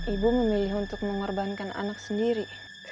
ibu memilih untuk mengorbankan anak sendiri